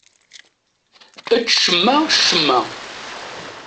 Ečč cemma-cemma.